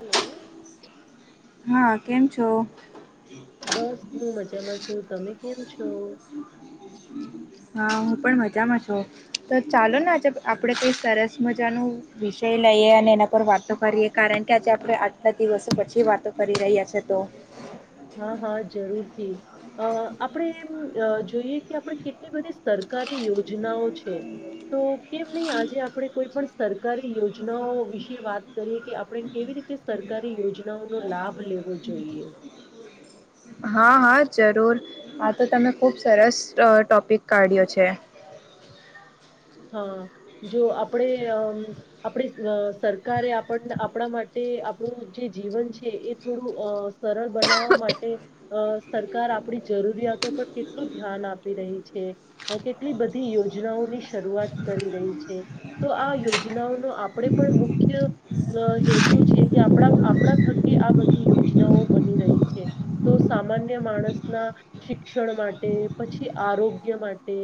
Hello. હા કેમ છો? બસ હું મજામાં છું તમે કેમ છો? હમ. હા હું પણ મજામાં છું, તો ચાલો ને આજે આપડે કઈ સરસ મજાનો વિષય લે એ અને એના પર વાતો કરીએ કારણ કે આજે આપણે આટલા દિવસો પછી વાતો કરી રહ્યા છે તો. હા હા જરૂરથી, અ આપડે એમ અ જોઈએ કે આપણે કેટલી બધી સરકારી યોજનાઓ છે. તો કેમ નહી આજે આપણે કોઈ પણ સરકારી યોજનાઓ વિશે વાત કરીએ કે આપણે કેવી રીતે સરકારી યોજનાઓ નો લાભ લેવો જોઈએ. હા હા જરૂર, આ તો તમે ખુબ સરસ ટોપિક કાઢ્યો છે. [inaudible] હા, જો આપણે અમ આપણી સરકારે આપણને આપણા માટે આપણું જે જીવન છે એ થોડું સરળ બનાવવા માટે, સરકાર આપ જરૂરિયાતો પર કેટલું ધ્યાન આપી રહી છે, કેટલી બધી યોજનાઓની શઆત કરી રહી છે, તો આ યોજનાઓનો આપણે પણ મુખ્ય હેતુ કે આપ આપણા થકે આ બધી યોજનાઓ બની રહી છે, તો સામાન્ય માણસ શિક્ષણ માટે પછી આરોગ્ય માટે,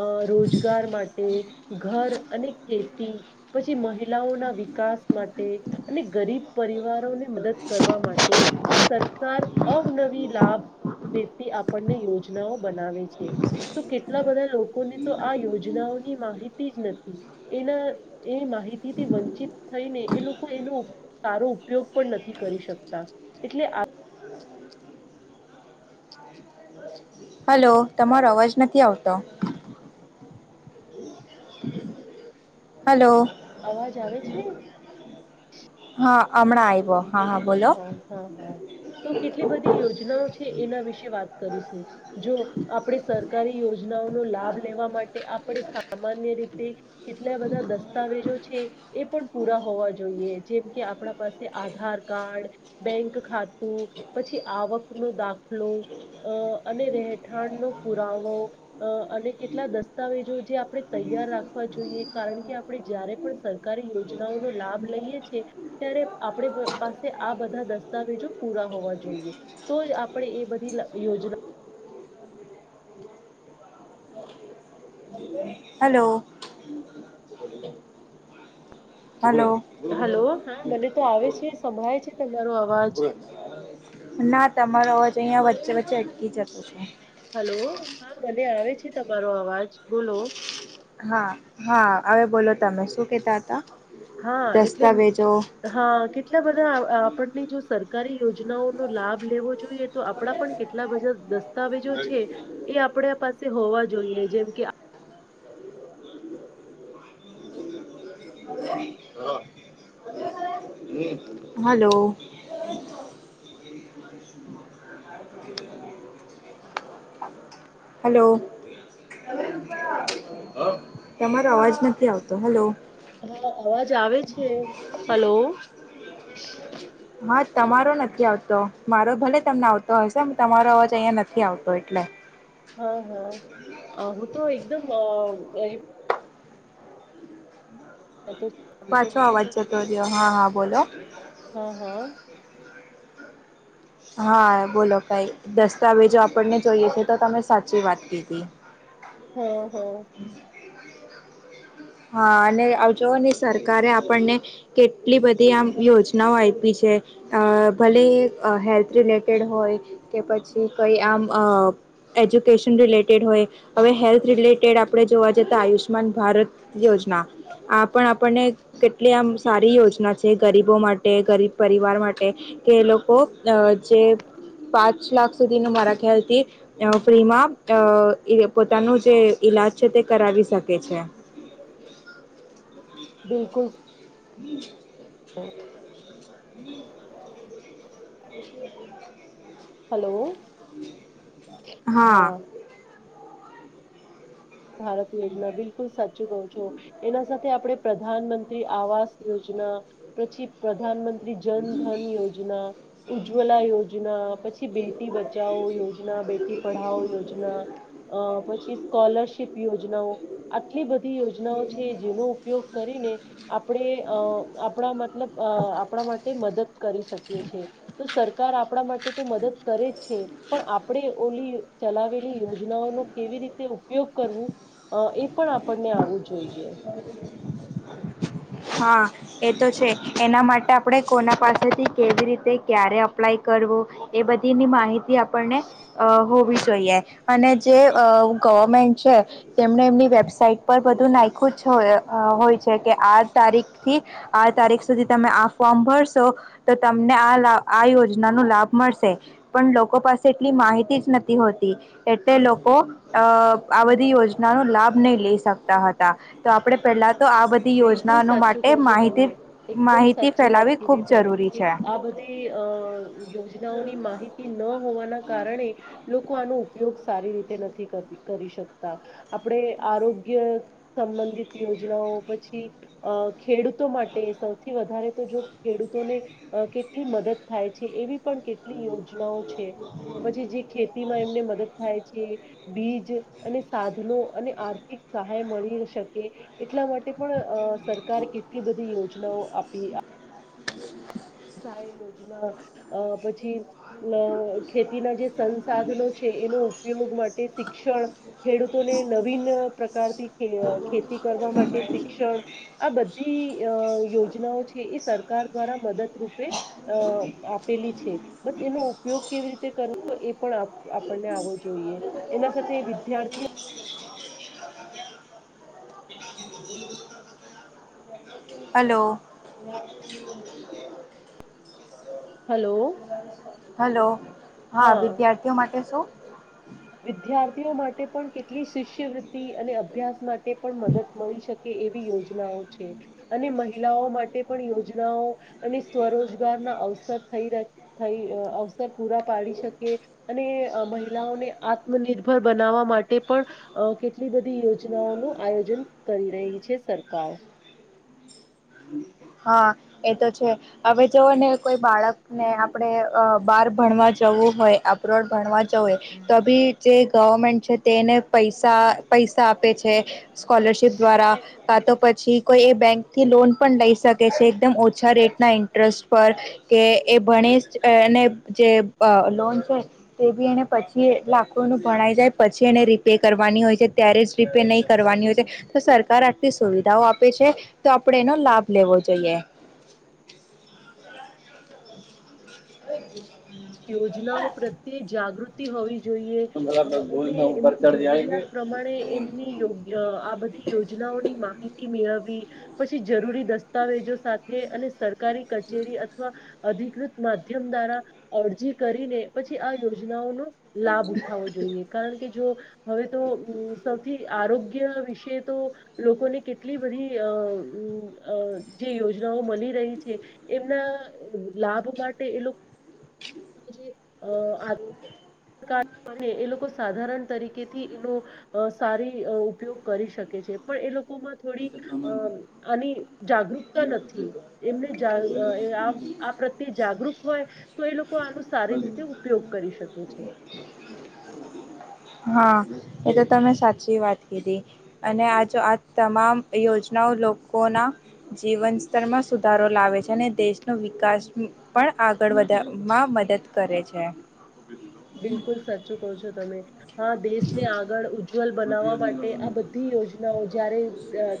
અ રોજગાર માટે ઘર અને ખેતી, પછી મહિલાઓના વિકાસ માટે, અને ગરીબ પરિવારોને મદદ કરવા માટે, સરકાર અવનવી લાભ વ્યક્તિ આપણને યોજનાઓ બનાવે છે. તો કેટલા બધા લોકોને તો આ યોજનાઓ માહિતી જ નથી, એના એ માહિતીથી વંચિત થઈને એ લોકો એનો સારો ઉપયોગ પણ નથી કરી શકતા, એટલે આ હલો તમારો અવાજ નથી આવતો. હલો. અવાજ આવે છે? હા હમણાં આ હા હા હા, તો કેટલી બધી યોજનાઓ છે. એના વિશે વાત કરીશું, જો આપણે સરકારી યોજનાઓનોો લાભ લેવા માટે આપણે સામાન્ય રીતે, કેટલા બધા દસ્તાવેજો છે એ પણ પૂરા હોવા જોઈએ. જેમ કે આપણા પાસે આધાર કાર્ડ, બેંક ખાતું, પછી આવક ન દાખલો. અ અને રહેઠાણનો પુરાવો, અને કેટલા દસ્તાવેજો જે આપણે તૈ યા રાખવા જોઈએ કારણ કે આપણે જયારે પણ સરકારી યોજનાઓનો લાભ લઈએ છી ત્યારે આપણે પ-પાસે આ બધા દસ્તાવેજો પૂરા હોવા જોઈએ. તોય આપણે એ બધી અહ યોજના હલો. હલો. હલો હા, મને તો આવે છે, સંભળાય છે તમારો અવાજ. ના તમારો અવાજ અહીંયા વચ્ચે વચ્ચે અટકી જતો છે. હલો હા મને આવે છે તમારો અવાજ બોલો. હા, હા હવે બોલો તમે શું કેતા હતા? હા એટલે દસ્તાવેજો હમ્મ હા કેટ લા બધા અહ આપણની જો સરકારી યોજનાઓનો લાભ લેવો જોઈએ તો આપડા પણ કેટલા બધા દસ્તાવેજો છે એ આપડા પાસે હોવા જોઈએ જેમ કે આ હલો. હલો. તમારો અવાજ નથી આવતો. હેલો. હા અવાજ આવે છે. હલો. હા, તમારો નથી આવતો. મારો ભલે તમને આવતો હશે તમારો અવાજ અહિયાં નથી આવતો એટલે હા, હા અહ હું તો એકદમ અહ અઈ એમ તો આમ તો પાછો મને અવાજ તો જતો રહ્યો. હા, હા બોલો. હા હા હા બોલો કાઈ દસ્તાવેજો આપણને જોઈએ છે તો તમે સાચી વાત કીધી. હો, હો. હા અને આવ જવ ને સરકારે આપણને કેટલી બધી આમ યોજનાઓ આઇપી છ છે. અહ ભલે અહ હેલ રિલેટેડ હોય કે પછી કંઈ આમ અહ એજ્યુકેશન રિલેટેડ હોય. હવે હેલ્થ રિલેટેડ આપણે જોવા જતાં આયુષ્યમાન ભારત યોજના. આપણ આપણને કેટલી આમ સારી યોજના છે ગરીબો માટે ગરીબ પરિવાર માટે કે એ લોકો અહ જે પાંચ લાખ સુધી નું મારા ખ્યાલથી અહ ફ્રીમાં અહ એ પોતાનું જે ઇલાજ છે તે કરાવી શકે છે. બિલકુલ સ હમ્મ. હલો. હા. ભારત યોજના બિલકુલ સાચું કઉ છો એના સાથે આપડે પ્રધાનમંત્રી આવાસ યોજ ના પછી પ્રધાનમંત્રી જન ધન યોજના ઉજ્જવલા યોજના પછી બેટી બચાવો યોજના બેટી પઢાઓ યોજના. અહ પછી સ્કોલરશ યોજનાઓ આટલી બધી યોજનાઓ છે જેનો ઉપયોગ કરીને આપણે અહ આપણા મતલબ અહ આપણા માટે મદદ કરી શકીએ છીએ. તો સર કાર આપણા માટે તો મદદ કરે જ છે પણ આપણે ઓલી ચલાવેલી યોજનાઓનો કેવી રીતે ઉપયોગ કરવું અહ એ પણ આપણને આવું જોઈએ. હા એ તો છે એના માટે આપણે કોના પાસેથી કેવી રીતે ક્યારે અપ્લાય એ કરવું એ બધી ની માહિતી આપણને અહ હોવી જોઈએ અને જે અહ ગવર્મેન્ટ છે તેમને એમની વેબસાઈટ પર બધું નાઈ ખુજ હોય અહ હોય છે કે આ તારીખથી આ તારીખ સુધી તમે આ ફોર્મ ભરશો તો તમને આ લા આ યોજના નું લાભ મળશે. પણ લોકો પાસે એટલી માહિતી જ નથી હોતી એટલે લોકો અહ આ બધી યોજના નું લાભ નહીં લઈ શકતા હ તા. તો આપડે પેલા તો આ બધી બિલકુલ યોજનાઓનો સાચું માટે કહો છો તમે માહિતી એકદમ માહિતી ફેલાવી ખૂબ જરૂરી છે. તે અહ યોજનાઓની માહિતી નો હોવાના કારણે લોકો આનો ઉપયોગ સારી રીતે નથી કરવી કરી શકતા. આપણે આરોગ્ય સંબંધિત યોજનાઓ પ છી અહ ખેડૂતો માટે સૌથી વધારે તો જો ખેડૂતોને અહ કેટલી મદદ થાય છે એવી પણ કેટલી યોજનાઓ અને જે જે ખેતીમાં અમને મ થાય છે બીજ અને સાધનો અને આર્થિક સહાય મળી શકે એટલા મા પણ સરકારે કેટલી બધી યોજનાઓ આપી આ સહાય યોજના અ પછી અ ખેતીના જે સંસાધનો છે. એનો ઉપયોગ માટે શિક્ષણ ખેડૂતોને નવીન પ્રકારથી ખેતી કરવા માટે શિક્ષણ આ બધી અ યોજ જનાઓ છે એ સરકાર દ્વારા મદદ રૂપે અ આપેલી છે બસ એનો ઉપયોગ કેવી રીતે કરવો એ પણ આપ પણે આવું જોઈએ એના સાથે વિદ્યા હલો. હેલો હલો હા વિદ્યાર્થીઓ માટે શું? વિદ્યાર્થીઓ માટે પણ કેટલી શિષ્યવૃતિ અને અભ્યાસ માટે પણ મદદ મળી શકે. એવી યોજનાઓ છે અને મહિલાઓ માટે પણ યોજનાઓ અને સ્વરોજગારના અવસર થઇ અવસર પૂરા પાડી શકે અને મહિલાઓને આત્મનિર્ભર બનાવવા માટે પણ અ કેટલી બધી યોજનાઓનું આયોજન કરી રહી છે સરકાર. હા એ તો છે હવે જોવ ને કોઈ બાળકને આપડે બાર ભણવા જવું હોય અપલોડ ભણવા જએ તો બી જે ગવર્મેન્ટ છે તેને પૈસા પૈસા આપે છે સ્કોલ શિપ દ્વારા કા તો પછી કોઈ એ બેંક થી લોન પણ લઈ શકે છે એકદમ ઓછા રેટના ઇન્ટરેસ્ટ પર કે એ ભણી અને જે અ લોન છે તે બી એને પછી લાખોનું ભણાઈ જાય પછી એને રીપે કરવાની હોય છે તં રેજ રીપે નહીં કરવાની હોય છે તો સરકાર આટલી સુવિધાઓ આપે છે તો આપડે એનો લાભ લેવો જોઈએ. યોજનાઓ પ્રત્યે જાગૃતિ હોવી જોઈએ અ એમની જરૂરિયાત પ્રમાણે એમનીયો આ બધી યોજના ઓની માહિતી મેળવવી. પછી જરૂરી દસ્તાવેજો સાથે અને સરકારી કચેરી અથવા અધિકૃત માધ્યમ દ્વારા અરજી કરીને પછી આ યોજનાઓનું લાભ ઉઠાવો જોઈએ કારણ કે જો હવે તો સૌથી આરોગ્ય વિશે તો લોકોને કેટલી બધી અ જે યોજનાઓ મળી રહી છે એમના લાભ માટે એ લુ જે અ આધાર [inaudible] બને એ લોકો સાધારણ તરીકે થી એનો સારી ઉપયોગ કરી શકે છે તે એ લોકોમાં થોડી અ આની જાગૃકતા નથી એમને પ્રત્યે જાગૃત હોય તો એ લોકો આનો સારી રીતે ઉપયોગ કરી શકે. છે. હા એ તો તમે સાચી વાત કીધી અને આ જો આ તમામ યોજનાઓ લોકોના જીવન સ્તરમાં સુધારો લાવે છે ને દેશનો વિકાસ પણ આગળ વધવામાં મદદ કરે છે. બિલકુલ સાચું કો છો તમે. હા દેશને આગળ ઉજ્જવલ બનાવવા માટે આ બધી યોજનાઓ જયારે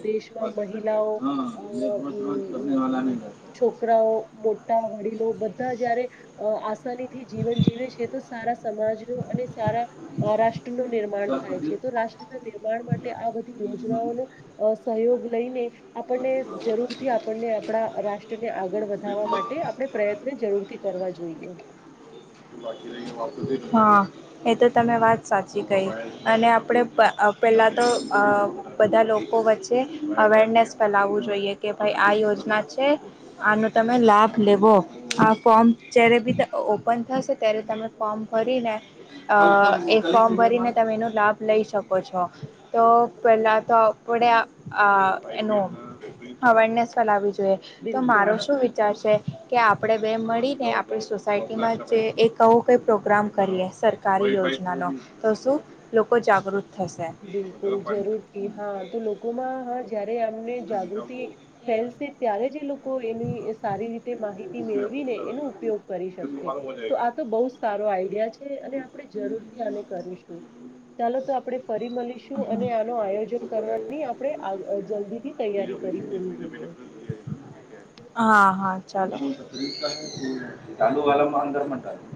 દેશ મહિલાઓ છોકરાઓ મોટા વડીલો. બધા જયારે આસાની થી જીવન જીવે છે તો સારા સમાજ નું અને સારા રાષ્ટ્ર નું નિર્માણ થાય છે તો રાષ્ટ્રના નિર્માણ માટે આ બઘી યોજનાઓનો સહયોગ લઈને આપણને જરૂર થી આપણને આપડા રાષ્ટ ને આગળ વધવા માટે આપણે પ્રયત્ન જરૂરથી કરવા જોઈએ. [inaudible] હ એ તો તમે વાત સાચી કઈ. અને આપણે અ પેલા પેલા તો અ બધા લોકો વચ્ચે અવેરનેસ ફેલાવવું જોઈએ કે ભાઈ આ યોજના છે. આનો તમે લાભ લેવો. આ ફોમ જ્યારે ભી તો ઓપ ઓપન થશે ત્યારે તમે ફોર્મ ભરીને અ એ ફોર્મ ભરીને તમે એનો લાભ લઈ શકો છો. તો પેલા તો આપણે અ એનો અવેરનેસ ફેલાવી જો જોવે, તો બિલકુલ મારો શું વિચાર છે કે આપણે બે મળીને આપણી સોસાયટ ટીમાં જે એક અવો કંઈ પ્રોગ્રામ કરીએ સરકારી યોજનાનો તો શું લોકો જાગૃત થશે બિલકુલ જરૂરથી હા તો લોકોમાં હ જયા વે એમને જાગૃતિ ફેલશે ત્યારે જ એ લોકો એની સારી રીતે માહિતી મેળવી ને એનું ઉપયોગ કરી શકશે. તો આ તો બહુ જ સારો આઈડિયા છે, અને આપણે જરૂરથી આને કર કરીશું. ચાલો તો આપણે ફરી મલીશું અને હમ. આનો આયોજન કરવાની આપણે અ જલ જલ્દીથી તૈયારી કરી પૂરી લઈએ. હા હા ચાલો. [inaudible]